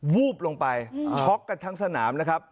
วูบลงไปช็อกกันทั้งสนามนะครับ